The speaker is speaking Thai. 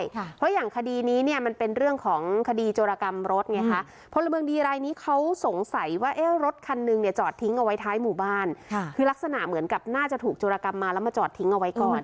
เพราะอย่างคดีนี้เนี่ยมันเป็นเรื่องของคดีโจรกรรมรถไงคะพลเมืองดีรายนี้เขาสงสัยว่าเอ๊ะรถคันหนึ่งเนี่ยจอดทิ้งเอาไว้ท้ายหมู่บ้านค่ะคือลักษณะเหมือนกับน่าจะถูกโจรกรรมมาแล้วมาจอดทิ้งเอาไว้ก่อน